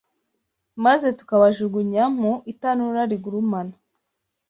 maze tukabajugunya mu itanura rigurumana